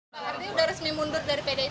bang ardi sudah resmi mundur dari pdip